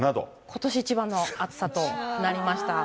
ことし一番の暑さとなりました。